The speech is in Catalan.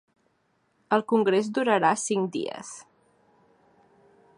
El congrés durarà cinc dies